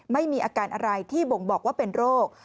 ไม่มีอาการอะไรที่บ่งบอกว่าเป็นโรค